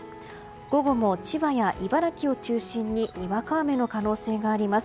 午後も千葉や茨城を中心ににわか雨の可能性があります。